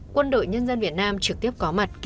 quân đội nhân dân việt nam trực tiếp có mặt